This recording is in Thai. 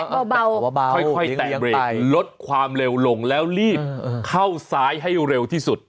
เบาค่อยแตะเบรกลดความเร็วลงแล้วรีบเข้าซ้ายให้เร็วที่สุด